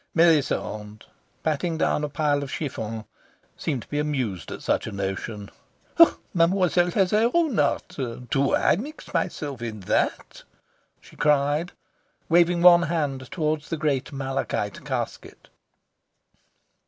Melisande, patting down a pile of chiffon, seemed to be amused at such a notion. "Mademoiselle has her own art. Do I mix myself in that?" she cried, waving one hand towards the great malachite casket.